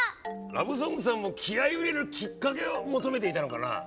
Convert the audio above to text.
ラブソングさんも気合いを入れるきっかけを求めていたのかなぁ。